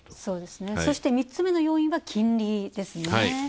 そして３つ目の要因が金利ですね。